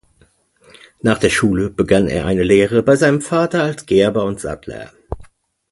Nach der Schule begann er eine Lehre bei seinem Vater als Gerber und Sattler.